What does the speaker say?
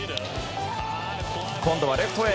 今度はレフトへ。